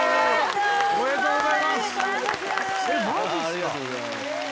ありがとうございます。